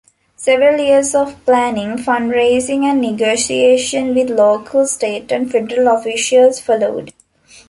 Several years of planning, fundraising and negotiation with local, state and federal officials followed.